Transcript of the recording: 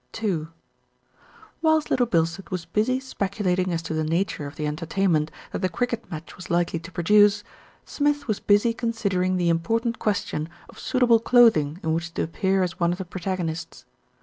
II Whilst Little Bilstead was busy speculating as to the nature of the entertainment that the cricket match was likely to produce, Smith was busy considering the im portant question of suitable clothing in which to appear as one of the protagonists.